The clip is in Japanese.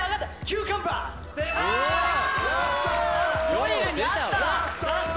ドリルにあったわ！